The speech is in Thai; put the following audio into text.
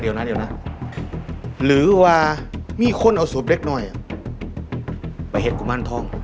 เดี๋ยวหรือว่ามีคนเอาศพเล็กหน่อยไปเห็กกุม่านท่อง